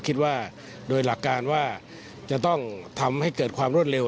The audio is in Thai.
คิดว่าโดยหลักการว่าจะต้องทำให้เกิดความรวดเร็ว